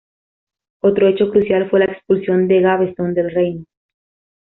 Otro hecho crucial fue la expulsión de Gaveston del reino.